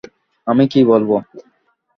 আমি কী বলব?